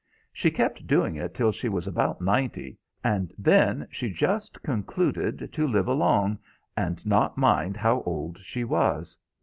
She kept doing it till she was about ninety, and then she just concluded to live along and not mind how old she was.